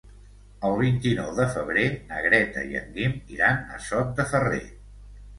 El vint-i-nou de febrer na Greta i en Guim iran a Sot de Ferrer.